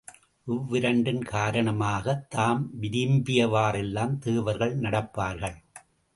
இவ்விரண்டின் காரணமாகத் தாம் விரும்பியவாறெல்லாம் தேவர்கள் நடப்பார்கள்!